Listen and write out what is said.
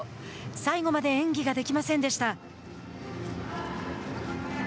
最後まで演技ができませんでした。